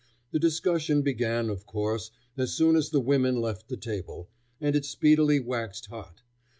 The discussion began, of course, as soon as the women left the table, and it speedily waxed hot.